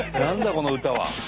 この歌は。